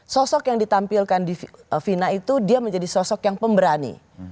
sosok yang ditampilkan di vina itu dia menjadi sosok yang pemberani